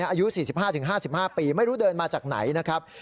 อายุ๔๕๕ปีไม่รู้เดินมาจากไหนนะครับ